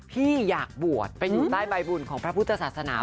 พี่อยากบวชไปอยู่ใต้ใบบุญของพระพุทธศาสนา